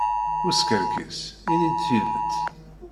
Ur skerkis. Ini-d tidet.